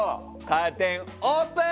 カーテンオープン！